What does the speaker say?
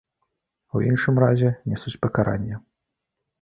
У іншым разе, нясуць пакаранне.